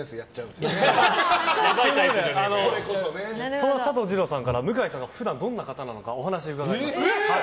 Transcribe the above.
そんな佐藤二朗さんから向井さんがどんな方なのかお話伺いました。